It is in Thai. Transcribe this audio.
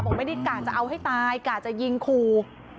บอกว่าไม่ได้กล้าจะเอาให้ตายกล้าจะยิงคู่